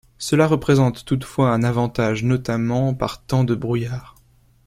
Cela représente toutefois un avantage notamment par temps de brouillard.